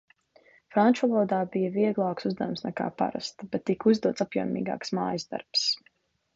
Franču valodā bija vieglāks uzdevums nekā parasti, bet tika uzdots apjomīgāks mājasdarbs.